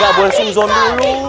gak boleh suzon dulu